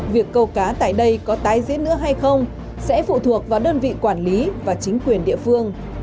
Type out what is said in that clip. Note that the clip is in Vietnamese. việc câu cá tại đây có tái diễn nữa hay không sẽ phụ thuộc vào đơn vị quản lý và chính quyền địa phương